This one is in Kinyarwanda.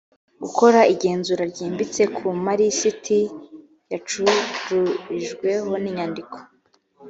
gukora igenzura ryimbitse ku malisiti yacururijweho n inyandiko